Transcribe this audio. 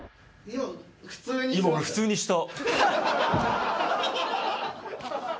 今、普通にした。